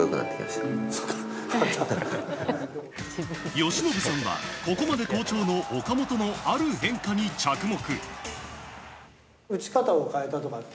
由伸さんがここまで好調の岡本のある変化に着目。